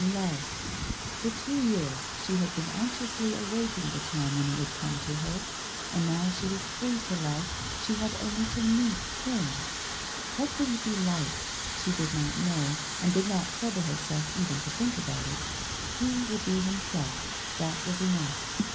17 Love ! For two years she had been anxiously awaiting the time when it would come to her, and now she was free to love, she had only to meet — him ! What should he be like 1 She did not know, and did not trouble herself even to think about it. He would be himself, that was enough.